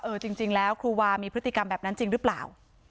จริงแล้วครูวามีพฤติกรรมแบบนั้นจริงหรือเปล่า